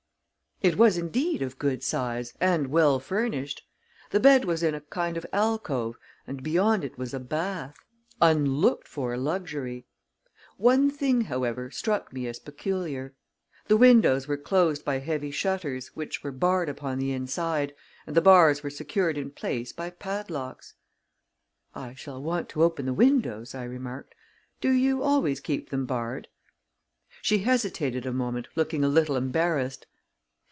It was, indeed, of good size and well furnished. The bed was in a kind of alcove, and beyond it was a bath unlooked for luxury! One thing, however, struck me as peculiar. The windows were closed by heavy shutters, which were barred upon the inside, and the bars were secured in place by padlocks. "I shall want to open the windows," I remarked. "Do you always keep them barred?" She hesitated a moment, looking a little embarrassed.